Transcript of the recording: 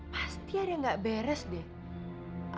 pasti ada yang gak beres deh